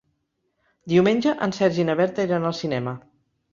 Diumenge en Sergi i na Berta iran al cinema.